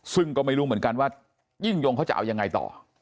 ซึ่งก็ไม่รู้เหมือนกันว่ายิ่งยงเขาจะเอายังไงต่อ